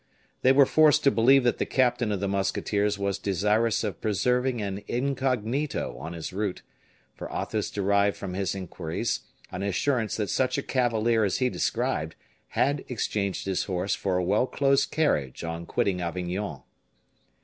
They were forced to believe that the captain of the musketeers was desirous of preserving an incognito on his route, for Athos derived from his inquiries an assurance that such a cavalier as he described had exchanged his horse for a well closed carriage on quitting Avignon.